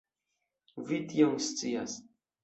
Vi tion scias.